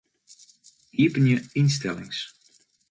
Iepenje ynstellings.